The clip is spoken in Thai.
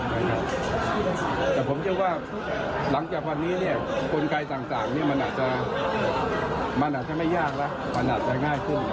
แต่ผมเชื่อว่าหลังจากวันนี้เนี่ยกลไกลต่างเนี่ยมันอาจจะไม่ยากนะมันอาจจะง่ายขึ้นนะครับ